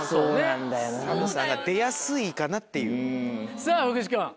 ＳＡＭさんが出やすいかなっていう。